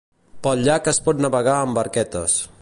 Pel llac es pot navegar amb barquetes.